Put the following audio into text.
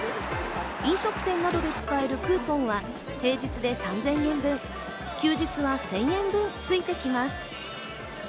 飲食店などで使えるクーポンは平日で３０００円分、休日は１０００円分ついてきます。